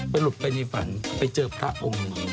ไปหลุดไปในฝันไปเจอพระองค์